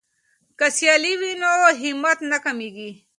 که سیالي وي نو همت نه کمیږي.